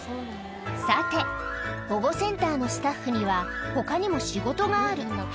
さて、保護センターのスタッフには、ほかにも仕事がある。